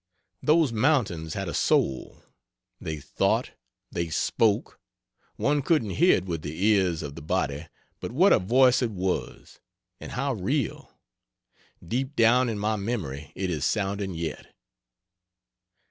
Those mountains had a soul; they thought; they spoke, one couldn't hear it with the ears of the body, but what a voice it was! and how real. Deep down in my memory it is sounding yet.